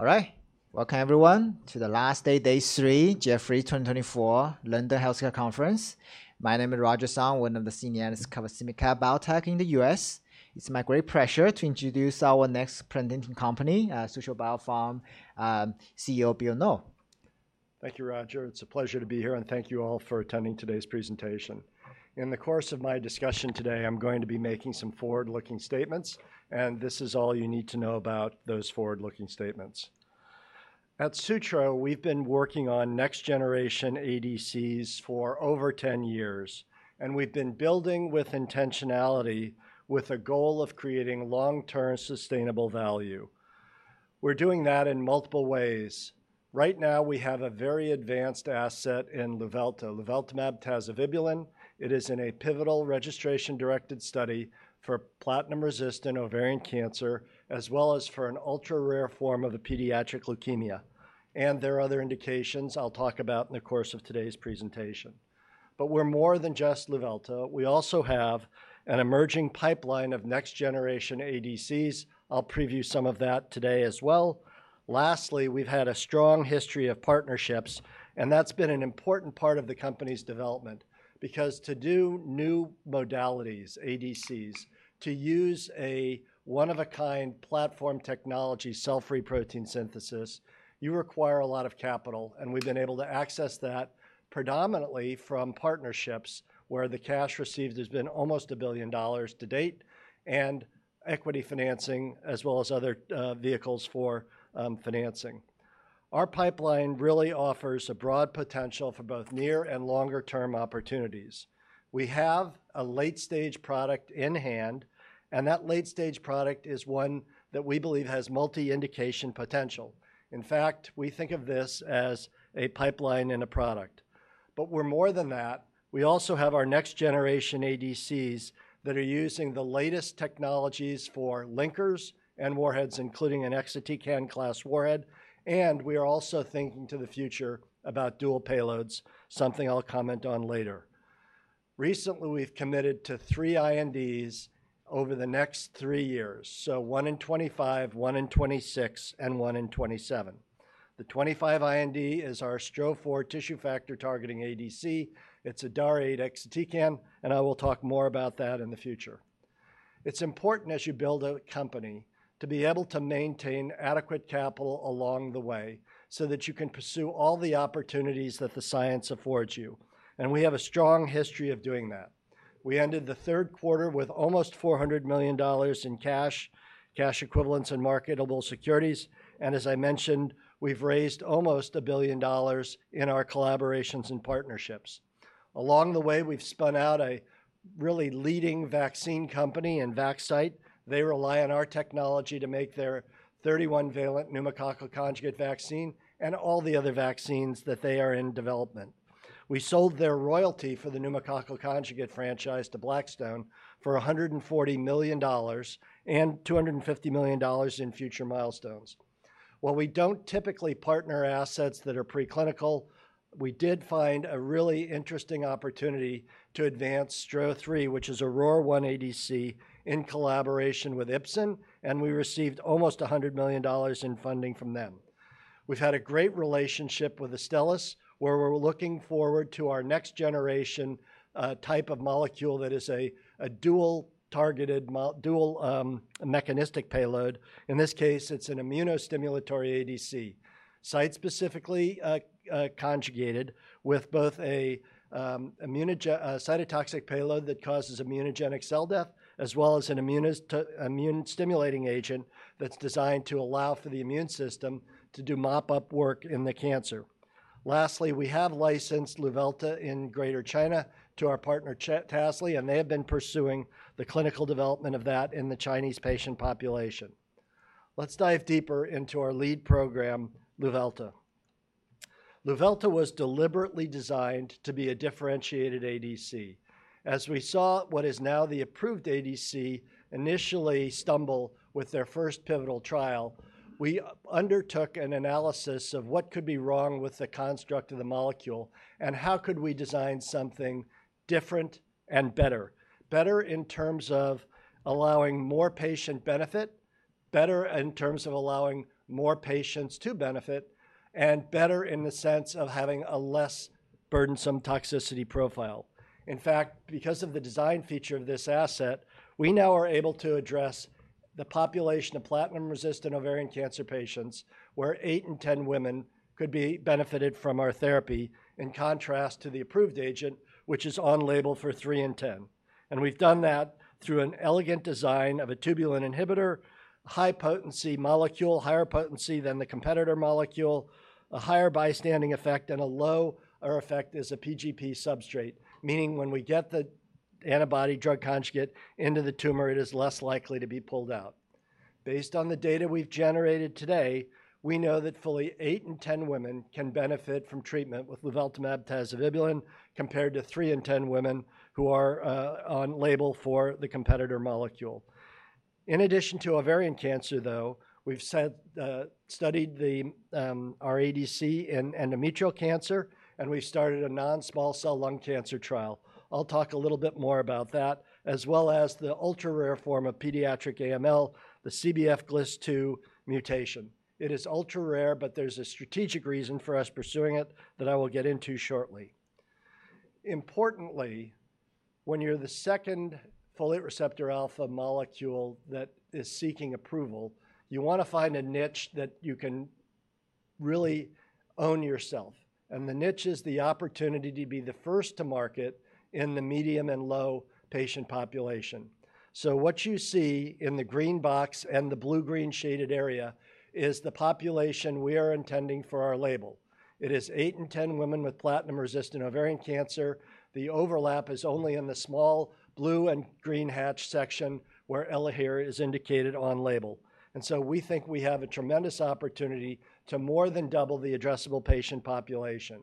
All right. Welcome, everyone, to the last day, day three, Jefferies 2024 London Healthcare Conference. My name is Roger Song, one of the senior analysts covering biotech in the US. It's my great pleasure to introduce our next presenting company, Sutro Biopharma. And now I turn it over to, CEO, Bill Newell. Thank you, Roger. It's a pleasure to be here, and thank you all for attending today's presentation. In the course of my discussion today, I'm going to be making some forward-looking statements, and this is all you need to know about those forward-looking statements. At Sutro, we've been working on next-generation ADCs for over 10 years, and we've been building with intentionality with a goal of creating long-term sustainable value. We're doing that in multiple ways. Right now, we have a very advanced asset in Luvelta, luveltamab tazevibulin. It is in a pivotal registration-directed study for platinum-resistant ovarian cancer, as well as for an ultra-rare form of pediatric leukemia. And there are other indications I'll talk about in the course of today's presentation. But we're more than just Luvelta. We also have an emerging pipeline of next-generation ADCs. I'll preview some of that today as well. Lastly, we've had a strong history of partnerships, and that's been an important part of the company's development because to do new modalities, ADCs, to use a one-of-a-kind platform technology, cell-free protein synthesis, you require a lot of capital. We've been able to access that predominantly from partnerships where the cash received has been almost $1 billion to date, and equity financing, as well as other vehicles for financing. Our pipeline really offers a broad potential for both near and longer-term opportunities. We have a late-stage product in hand, and that late-stage product is one that we believe has multi-indication potential. In fact, we think of this as a pipeline and a product. We're more than that. We also have our next-generation ADCs that are using the latest technologies for linkers and warheads, including an exatecan-class warhead. We are also thinking to the future about dual payloads, something I'll comment on later. Recently, we've committed to three INDs over the next three years, so one in 2025, one in 2026, and one in 2027. The 2025 IND is our STRO-004 tissue factor targeting ADC. It's a DAR8 exatecan, and I will talk more about that in the future. It's important, as you build a company, to be able to maintain adequate capital along the way so that you can pursue all the opportunities that the science affords you. We have a strong history of doing that. We ended the third quarter with almost $400 million in cash, cash equivalents, and marketable securities. As I mentioned, we've raised almost $1 billion in our collaborations and partnerships. Along the way, we've spun out a really leading vaccine company in Vaxcyte. They rely on our technology to make their 31-valent pneumococcal conjugate vaccine and all the other vaccines that they are in development. We sold their royalty for the pneumococcal conjugate franchise to Blackstone for $140 million and $250 million in future milestones. While we don't typically partner assets that are preclinical, we did find a really interesting opportunity to advance STRO-003, which is a ROR1 ADC, in collaboration with Ipsen, and we received almost $100 million in funding from them. We've had a great relationship with Astellas, where we're looking forward to our next-generation type of molecule that is a dual-targeted, dual-mechanistic payload. In this case, it's an immunostimulatory ADC, site-specifically conjugated with both a cytotoxic payload that causes immunogenic cell death, as well as an immune-stimulating agent that's designed to allow for the immune system to do mop-up work in the cancer. Lastly, we have licensed Luvelta in Greater China to our partner, Tasly, and they have been pursuing the clinical development of that in the Chinese patient population. Let's dive deeper into our lead program, Luvelta. Luvelta was deliberately designed to be a differentiated ADC. As we saw what is now the approved ADC initially stumble with their first pivotal trial, we undertook an analysis of what could be wrong with the construct of the molecule and how could we design something different and better. Better in terms of allowing more patient benefit, better in terms of allowing more patients to benefit, and better in the sense of having a less burdensome toxicity profile. In fact, because of the design feature of this asset, we now are able to address the population of platinum-resistant ovarian cancer patients where 8 in 10 women could be benefited from our therapy in contrast to the approved agent, which is on label for 3 in 10, and we've done that through an elegant design of a tubulin inhibitor, high-potency molecule, higher potency than the competitor molecule, a higher bystander effect, and a lower effect as a PGP substrate, meaning when we get the antibody-drug conjugate into the tumor, it is less likely to be pulled out. Based on the data we've generated today, we know that fully 8 in 10 women can benefit from treatment with luveltamab tazevibulin compared to 3 in 10 women who are on label for the competitor molecule. In addition to ovarian cancer, though, we've studied our ADC in endometrial cancer, and we've started a non-small cell lung cancer trial. I'll talk a little bit more about that, as well as the ultra-rare form of pediatric AML, the CBF-GLIS2 mutation. It is ultra-rare, but there's a strategic reason for us pursuing it that I will get into shortly. Importantly, when you're the second folate receptor alpha molecule that is seeking approval, you want to find a niche that you can really own yourself. And the niche is the opportunity to be the first to market in the medium and low patient population. So what you see in the green box and the blue-green shaded area is the population we are intending for our label. It is eight in 10 women with platinum-resistant ovarian cancer. The overlap is only in the small blue and green hatch section where Elahere is indicated on label. And so we think we have a tremendous opportunity to more than double the addressable patient population.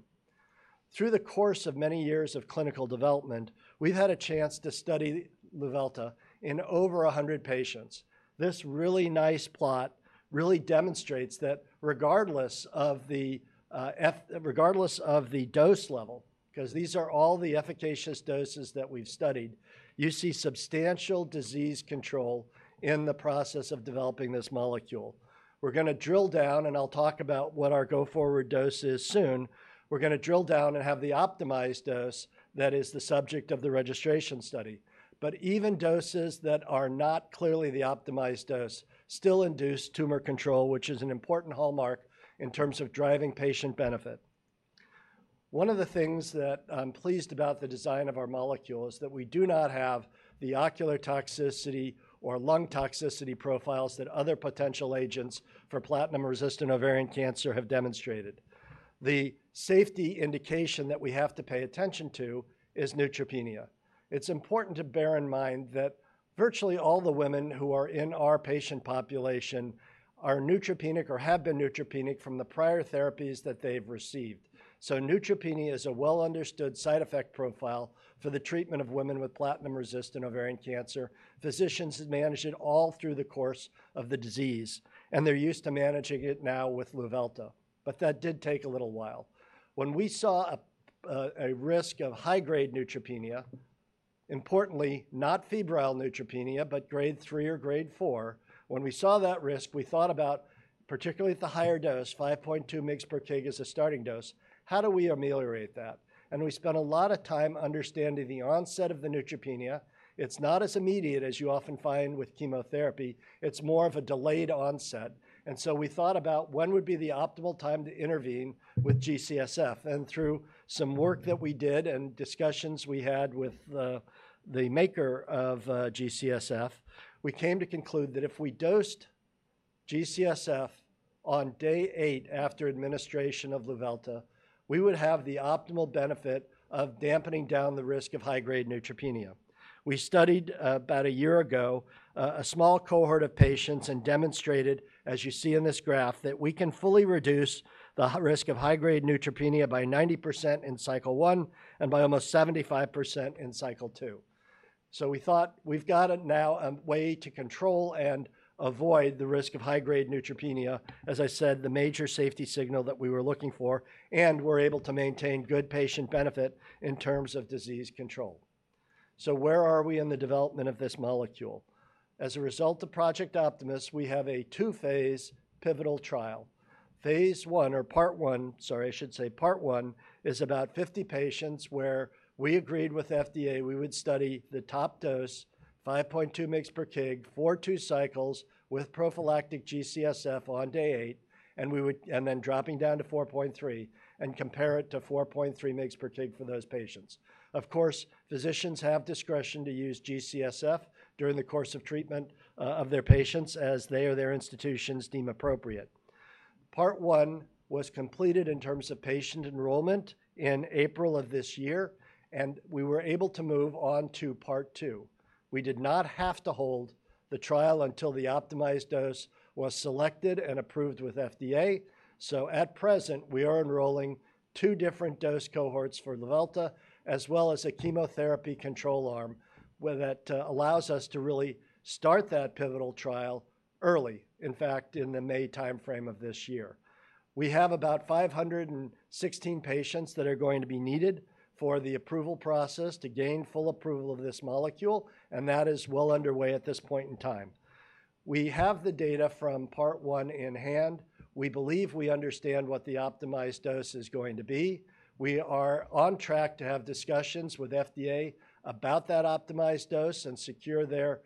Through the course of many years of clinical development, we've had a chance to study Luvelta in over 100 patients. This really nice plot really demonstrates that regardless of the dose level, because these are all the efficacious doses that we've studied, you see substantial disease control in the process of developing this molecule. We're going to drill down, and I'll talk about what our go-forward dose is soon. We're going to drill down and have the optimized dose that is the subject of the registration study. But even doses that are not clearly the optimized dose still induce tumor control, which is an important hallmark in terms of driving patient benefit. One of the things that I'm pleased about the design of our molecule is that we do not have the ocular toxicity or lung toxicity profiles that other potential agents for platinum-resistant ovarian cancer have demonstrated. The safety indication that we have to pay attention to is neutropenia. It's important to bear in mind that virtually all the women who are in our patient population are neutropenic or have been neutropenic from the prior therapies that they've received. So neutropenia is a well-understood side effect profile for the treatment of women with platinum-resistant ovarian cancer. Physicians manage it all through the course of the disease, and they're used to managing it now with Luvelta. But that did take a little while. When we saw a risk of high-grade neutropenia, importantly, not febrile neutropenia, but grade 3 or grade 4, when we saw that risk, we thought about, particularly at the higher dose, 5.2 mg/kg as a starting dose, how do we ameliorate that? And we spent a lot of time understanding the onset of the neutropenia. It's not as immediate as you often find with chemotherapy. It's more of a delayed onset. And so we thought about when would be the optimal time to intervene with G-CSF. And through some work that we did and discussions we had with the maker of G-CSF, we came to conclude that if we dosed G-CSF on day eight after administration of luvelta, we would have the optimal benefit of dampening down the risk of high-grade neutropenia. We studied about a year ago a small cohort of patients and demonstrated, as you see in this graph, that we can fully reduce the risk of high-grade neutropenia by 90% in cycle one and by almost 75% in cycle two. So we thought we've got now a way to control and avoid the risk of high-grade neutropenia, as I said, the major safety signal that we were looking for, and we're able to maintain good patient benefit in terms of disease control. So where are we in the development of this molecule? As a result of Project Optimus, we have a two-phase pivotal trial. phase one, or part one, sorry, I should say part one, is about 50 patients where we agreed with FDA we would study the top dose, 5.2 mg/kg, four to two cycles with prophylactic G-CSF on day eight, and then dropping down to 4.3 and compare it to 4.3 mg/kg for those patients. Of course, physicians have discretion to use G-CSF during the course of treatment of their patients as they or their institutions deem appropriate. Part one was completed in terms of patient enrollment in April of this year, and we were able to move on to part two. We did not have to hold the trial until the optimized dose was selected and approved with FDA. So at present, we are enrolling two different dose cohorts for Luvelta, as well as a chemotherapy control arm that allows us to really start that pivotal trial early, in fact, in the May timeframe of this year. We have about 516 patients that are going to be needed for the approval process to gain full approval of this molecule, and that is well underway at this point in time. We have the data from part one in hand. We believe we understand what the optimized dose is going to be. We are on track to have discussions with FDA about that optimized dose and secure their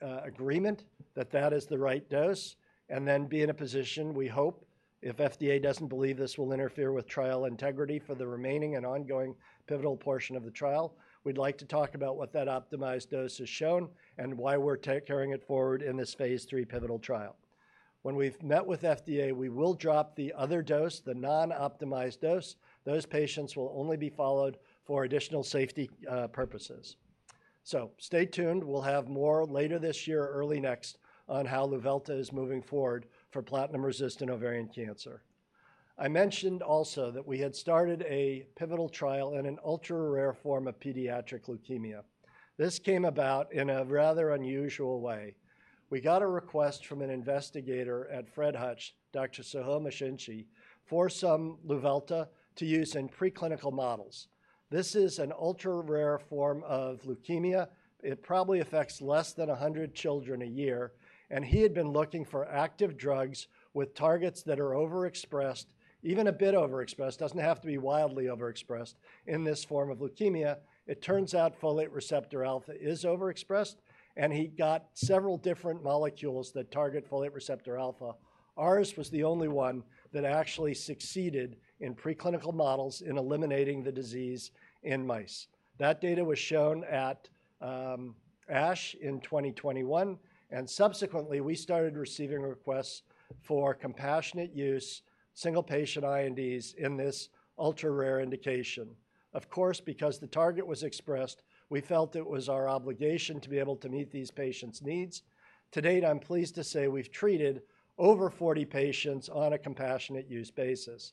agreement that that is the right dose. Then be in a position, we hope, if FDA doesn't believe this will interfere with trial integrity for the remaining and ongoing pivotal portion of the trial, we'd like to talk about what that optimized dose has shown and why we're carrying it forward in this phase three pivotal trial. When we've met with FDA, we will drop the other dose, the non-optimized dose. Those patients will only be followed for additional safety purposes. Stay tuned. We'll have more later this year, early next, on how Luvelta is moving forward for platinum-resistant ovarian cancer. I mentioned also that we had started a pivotal trial in an ultra-rare form of pediatric leukemia. This came about in a rather unusual way. We got a request from an investigator at Fred Hutch, Dr. Soheil Meshinchi, for some Luvelta to use in preclinical models. This is an ultra-rare form of leukemia. It probably affects less than 100 children a year. He had been looking for active drugs with targets that are overexpressed, even a bit overexpressed, doesn't have to be wildly overexpressed in this form of leukemia. It turns out folate receptor alpha is overexpressed, and he got several different molecules that target folate receptor alpha. Ours was the only one that actually succeeded in preclinical models in eliminating the disease in mice. That data was shown at ASH in 2021. Subsequently, we started receiving requests for compassionate use single-patient INDs in this ultra-rare indication. Of course, because the target was expressed, we felt it was our obligation to be able to meet these patients' needs. To date, I'm pleased to say we've treated over 40 patients on a compassionate use basis.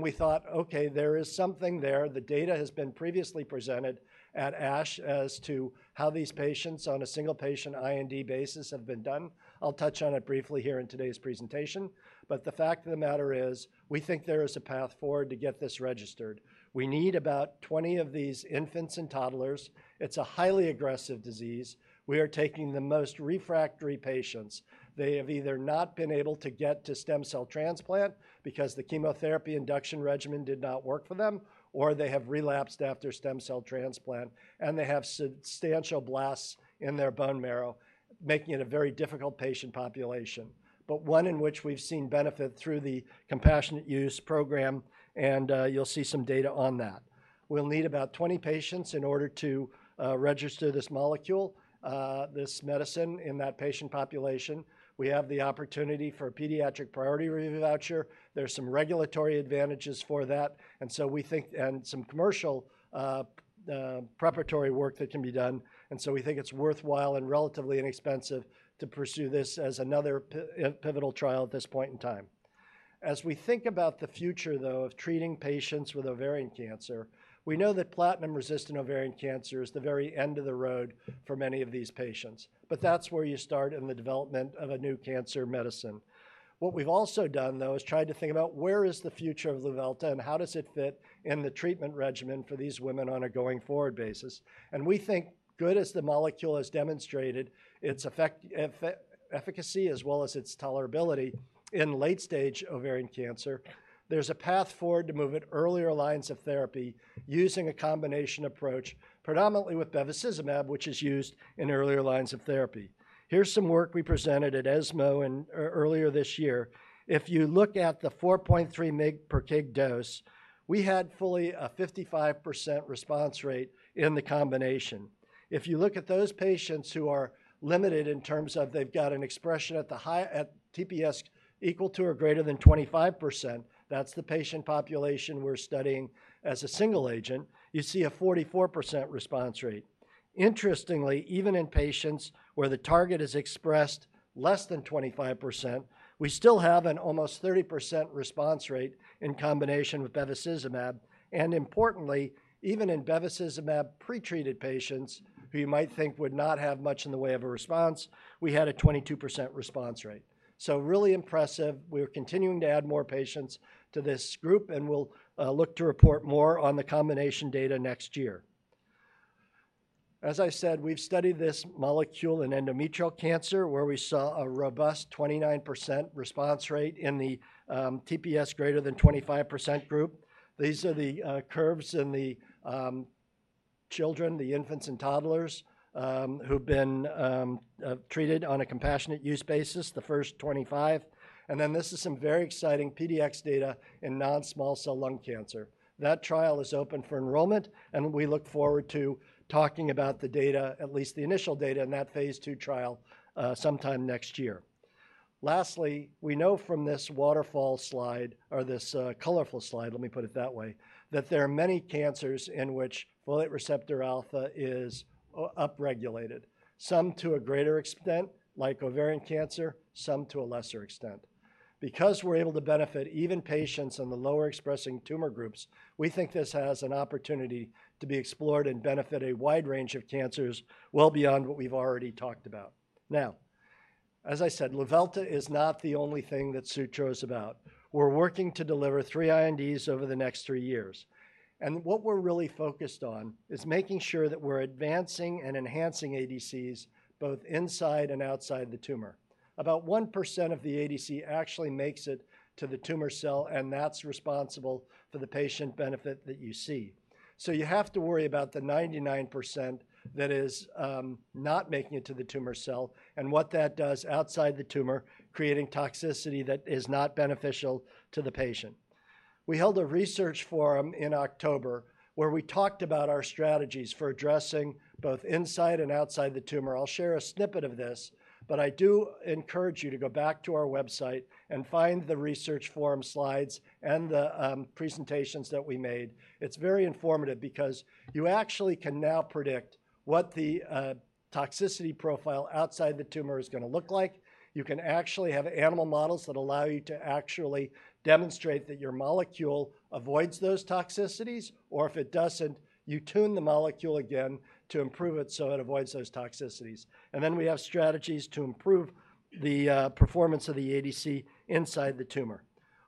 We thought, okay, there is something there. The data has been previously presented at ASH as to how these patients on a single-patient IND basis have been done. I'll touch on it briefly here in today's presentation. But the fact of the matter is we think there is a path forward to get this registered. We need about 20 of these infants and toddlers. It's a highly aggressive disease. We are taking the most refractory patients. They have either not been able to get to stem cell transplant because the chemotherapy induction regimen did not work for them, or they have relapsed after stem cell transplant, and they have substantial blasts in their bone marrow, making it a very difficult patient population, but one in which we've seen benefit through the compassionate use program, and you'll see some data on that. We'll need about 20 patients in order to register this molecule, this medicine in that patient population. We have the opportunity for a pediatric priority review voucher. There's some regulatory advantages for that, and so we think, and some commercial preparatory work that can be done, and so we think it's worthwhile and relatively inexpensive to pursue this as another pivotal trial at this point in time. As we think about the future, though, of treating patients with ovarian cancer, we know that platinum-resistant ovarian cancer is the very end of the road for many of these patients, but that's where you start in the development of a new cancer medicine. What we've also done, though, is tried to think about where is the future of Luvelta and how does it fit in the treatment regimen for these women on a going-forward basis. We think, good as the molecule has demonstrated its efficacy as well as its tolerability in late-stage ovarian cancer, there's a path forward to move it earlier lines of therapy using a combination approach, predominantly with bevacizumab, which is used in earlier lines of therapy. Here's some work we presented at ESMO earlier this year. If you look at the 4.3 mg/kg dose, we had fully a 55% response rate in the combination. If you look at those patients who are limited in terms of they've got an expression at the high TPS equal to or greater than 25%, that's the patient population we're studying as a single agent. You see a 44% response rate. Interestingly, even in patients where the target is expressed less than 25%, we still have an almost 30% response rate in combination with bevacizumab. Importantly, even in bevacizumab pretreated patients who you might think would not have much in the way of a response, we had a 22% response rate. Really impressive. We're continuing to add more patients to this group, and we'll look to report more on the combination data next year. As I said, we've studied this molecule in endometrial cancer where we saw a robust 29% response rate in the TPS greater than 25% group. These are the curves in the children, the infants and toddlers who've been treated on a compassionate use basis, the first 25. This is some very exciting PDX data in non-small cell lung cancer. That trial is open for enrollment, and we look forward to talking about the data, at least the initial data in that phase two trial, sometime next year. Lastly, we know from this waterfall slide or this colorful slide, let me put it that way, that there are many cancers in which folate receptor alpha is upregulated, some to a greater extent, like ovarian cancer, some to a lesser extent. Because we're able to benefit even patients in the lower expressing tumor groups, we think this has an opportunity to be explored and benefit a wide range of cancers well beyond what we've already talked about. Now, as I said, Luvelta is not the only thing that Sutro is about. We're working to deliver three INDs over the next three years. And what we're really focused on is making sure that we're advancing and enhancing ADCs both inside and outside the tumor. About 1% of the ADC actually makes it to the tumor cell, and that's responsible for the patient benefit that you see. You have to worry about the 99% that is not making it to the tumor cell and what that does outside the tumor, creating toxicity that is not beneficial to the patient. We held a research forum in October where we talked about our strategies for addressing both inside and outside the tumor. I'll share a snippet of this, but I do encourage you to go back to our website and find the research forum slides and the presentations that we made. It's very informative because you actually can now predict what the toxicity profile outside the tumor is going to look like. You can actually have animal models that allow you to actually demonstrate that your molecule avoids those toxicities, or if it doesn't, you tune the molecule again to improve it so it avoids those toxicities. And then we have strategies to improve the performance of the ADC inside the tumor.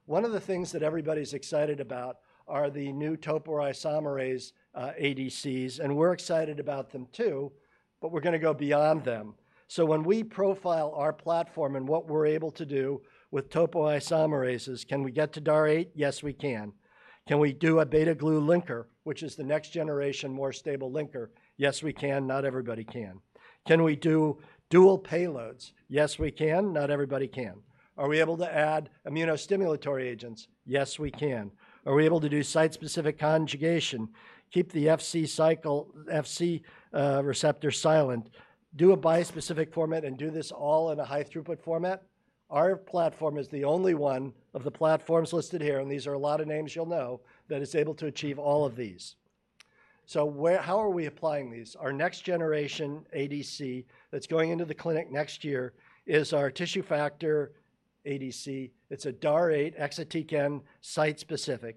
One of the things that everybody's excited about are the new topoisomerase ADCs, and we're excited about them too, but we're going to go beyond them. So when we profile our platform and what we're able to do with topoisomerases, can we get to DAR8? Yes, we can. Can we do a beta-glucuronidase linker, which is the next generation more stable linker? Yes, we can. Not everybody can. Can we do dual payloads? Yes, we can. Not everybody can. Are we able to add immunostimulatory agents? Yes, we can. Are we able to do site-specific conjugation, keep the FC receptor silent, do a bispecific format, and do this all in a high-throughput format? Our platform is the only one of the platforms listed here, and these are a lot of names you'll know, that is able to achieve all of these. So how are we applying these? Our next generation ADC that's going into the clinic next year is our tissue factor ADC. It's a DAR8 exatecan site-specific.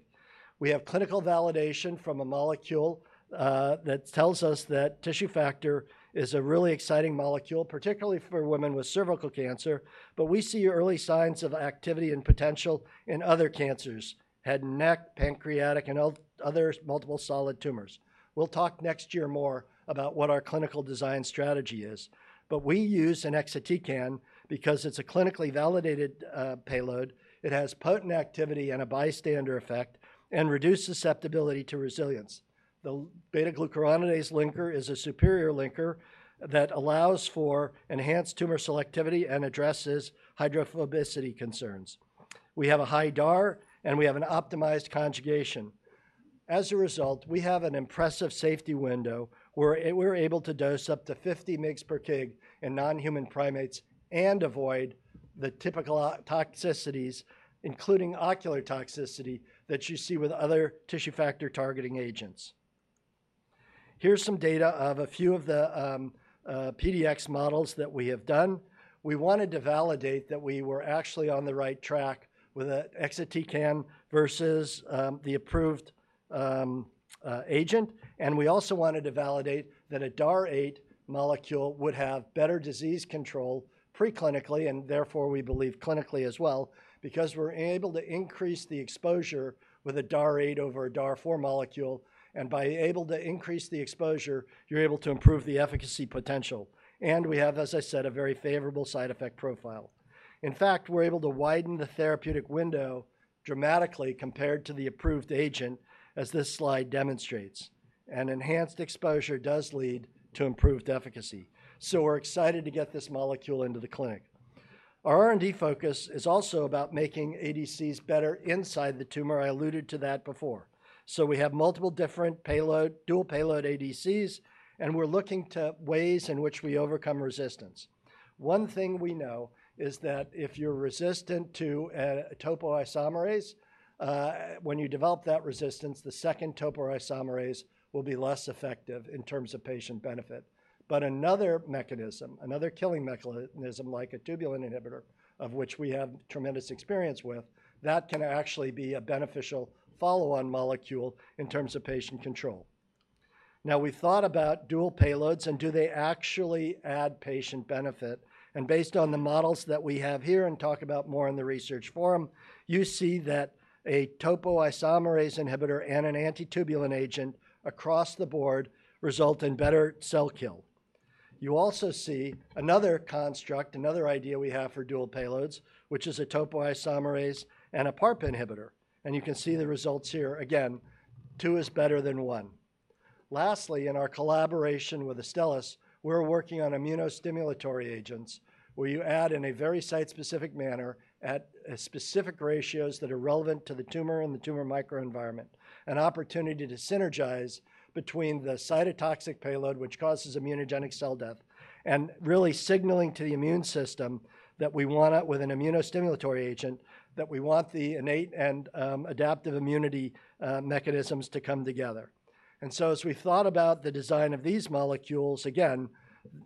We have clinical validation from a molecule that tells us that tissue factor is a really exciting molecule, particularly for women with cervical cancer, but we see early signs of activity and potential in other cancers, head and neck, pancreatic, and other multiple solid tumors. We'll talk next year more about what our clinical design strategy is, but we use an exatecan because it's a clinically validated payload. It has potent activity and a bystander effect and reduced susceptibility to resistance. The beta-glucuronidase linker is a superior linker that allows for enhanced tumor selectivity and addresses hydrophobicity concerns. We have a high DAR, and we have an optimized conjugation. As a result, we have an impressive safety window where we're able to dose up to 50 mg/kg in non-human primates and avoid the typical toxicities, including ocular toxicity that you see with other tissue factor targeting agents. Here's some data of a few of the PDX models that we have done. We wanted to validate that we were actually on the right track with an exatecan versus the approved agent. We also wanted to validate that a DAR8 molecule would have better disease control preclinically, and therefore we believe clinically as well, because we're able to increase the exposure with a DAR8 over a DAR4 molecule. By being able to increase the exposure, you're able to improve the efficacy potential. And we have, as I said, a very favorable side effect profile. In fact, we're able to widen the therapeutic window dramatically compared to the approved agent, as this slide demonstrates. And enhanced exposure does lead to improved efficacy. So we're excited to get this molecule into the clinic. Our R&D focus is also about making ADCs better inside the tumor. I alluded to that before. So we have multiple different dual payload ADCs, and we're looking to ways in which we overcome resistance. One thing we know is that if you're resistant to topoisomerase, when you develop that resistance, the second topoisomerase will be less effective in terms of patient benefit. But another mechanism, another killing mechanism, like a tubulin inhibitor, of which we have tremendous experience with, that can actually be a beneficial follow-on molecule in terms of patient control. Now, we thought about dual payloads, and do they actually add patient benefit? And based on the models that we have here and talk about more in the research forum, you see that a topoisomerase inhibitor and an anti-tubulin agent across the board result in better cell kill. You also see another construct, another idea we have for dual payloads, which is a topoisomerase and a PARP inhibitor. And you can see the results here. Again, two is better than one. Lastly, in our collaboration with Astellas, we're working on immunostimulatory agents where you add in a very site-specific manner at specific ratios that are relevant to the tumor and the tumor microenvironment, an opportunity to synergize between the cytotoxic payload, which causes immunogenic cell death, and really signaling to the immune system that we want it with an immunostimulatory agent, that we want the innate and adaptive immunity mechanisms to come together. And so as we thought about the design of these molecules, again,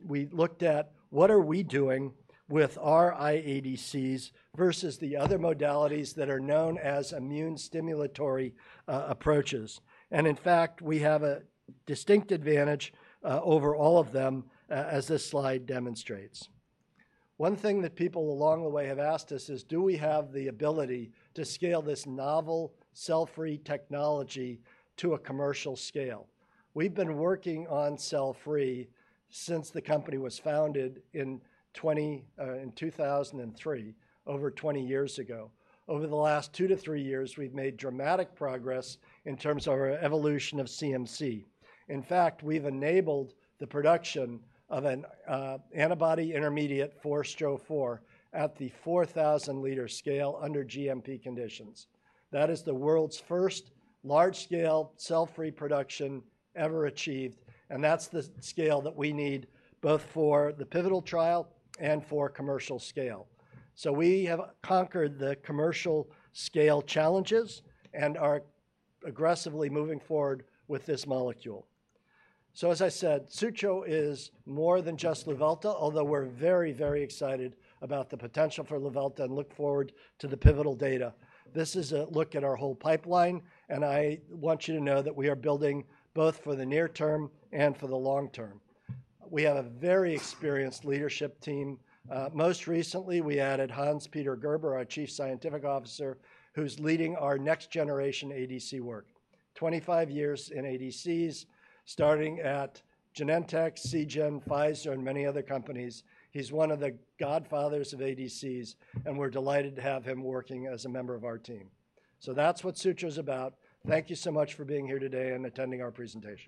we looked at what are we doing with our IADCs versus the other modalities that are known as immune stimulatory approaches. And in fact, we have a distinct advantage over all of them, as this slide demonstrates. One thing that people along the way have asked us is, do we have the ability to scale this novel cell-free technology to a commercial scale? We've been working on cell-free since the company was founded in 2003, over 20 years ago. Over the last two to three years, we've made dramatic progress in terms of our evolution of CMC. In fact, we've enabled the production of an antibody intermediate STRO-004 at the 4,000-liter scale under GMP conditions. That is the world's first large-scale cell-free production ever achieved, and that's the scale that we need both for the pivotal trial and for commercial scale. So we have conquered the commercial scale challenges and are aggressively moving forward with this molecule. So as I said, Sutro is more than just Luvelta, although we're very, very excited about the potential for Luvelta and look forward to the pivotal data. This is a look at our whole pipeline, and I want you to know that we are building both for the near term and for the long term. We have a very experienced leadership team. Most recently, we added Hans-Peter Gerber, our Chief Scientific Officer, who's leading our next generation ADC work. 25 years in ADCs, starting at Genentech, Seagen, Pfizer, and many other companies. He's one of the godfathers of ADCs, and we're delighted to have him working as a member of our team. So that's what Sutro is about. Thank you so much for being here today and attending our presentation.